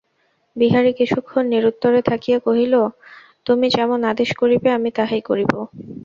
বিহারী কিছুক্ষণ নিরুত্তরে থাকিয়া কহিল, তুমি যেমন আদেশ করিবে আমি তাহাই করিব।